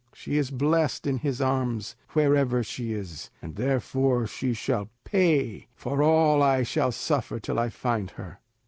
She is blest in his arms wherever she is, and therefore she shall pay for all I shall suffer till I find her."